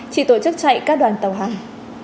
chỉ tổ chức chạy các đoàn tàu hàng